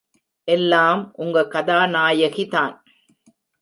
எல்லாம் உங்க கதாநாயகிதான்.